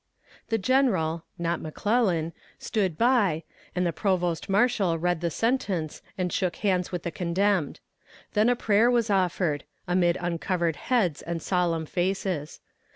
"The General (not McClellan) stood by, and the Provost Marshal read the sentence and shook hands with the condemned. Then a prayer was offered, amid uncovered heads and solemn faces.